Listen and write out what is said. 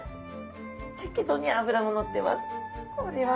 適度に脂ものってます。